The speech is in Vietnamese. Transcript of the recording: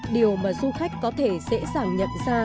điều mà du khách có thể dễ dàng nhận ra